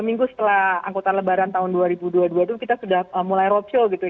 minggu setelah angkutan lebaran tahun dua ribu dua puluh dua itu kita sudah mulai roadshow gitu ya